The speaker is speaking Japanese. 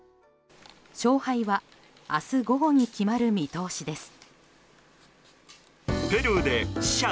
勝敗は明日午後に決まる見通しです。